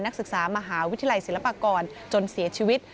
นักศึกษามหาวิทยาลัยศิลปากรจนเสียชีวิต